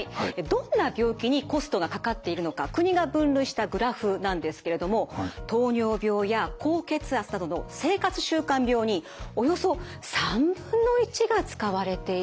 どんな病気にコストがかかっているのか国が分類したグラフなんですけれども糖尿病や高血圧などの生活習慣病におよそ３分の１が使われているんです。